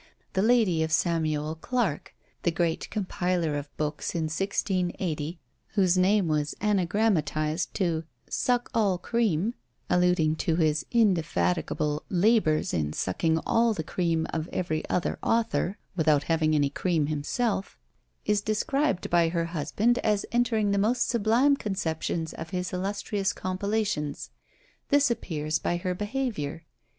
The lady of Samuel Clarke, the great compiler of books in 1680, whose name was anagrammatised to "suck all cream," alluding to his indefatigable labours in sucking all the cream of every other author, without having any cream himself, is described by her husband as entertaining the most sublime conceptions of his illustrious compilations. This appears by her behaviour.